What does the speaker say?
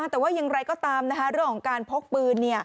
แต่ว่าอย่างไรก็ตามเรื่องของการพกปืน